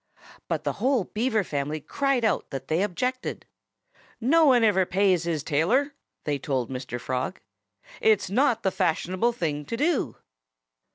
But the whole Beaver family cried out that they objected. "No one ever pays his tailor," they told Mr. Frog. "It's not the fashionable thing to do."